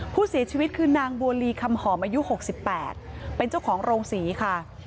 ผู้เสียชีวิตคือนางบัวลีคำหอมอายุ๖๘เป็นเจ้าของโรงศรีค่ะ